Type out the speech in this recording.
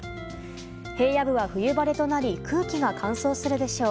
平野部は冬晴れとなり空気が乾燥するでしょう。